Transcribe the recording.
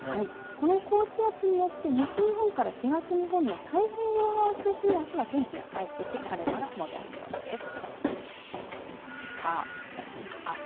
この高気圧によって西日本から東日本の太平洋側を中心にあすは天気が回復し晴れ間が戻りそうです。